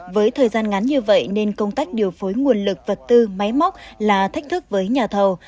với thời gian ngắn như vậy nên công tác điều phối nguồn lực vật tư máy móc là thách thức với nhà thầu